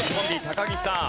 高岸さん。